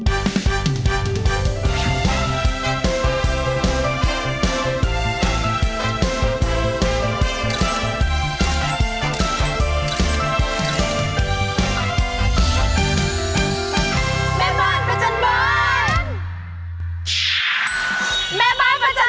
ออมสการสวัสดีค่ะ